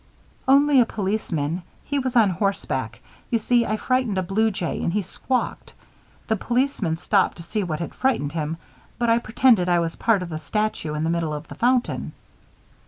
"Only a policeman. He was on horseback. You see, I frightened a blue jay and he squawked. The policeman stopped to see what had frightened him, but I pretended I was part of the statue in the middle of the fountain."